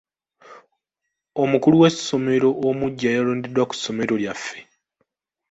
Omukulu w'essomero omuggya yalondeddwa ku ssomero lyaffe.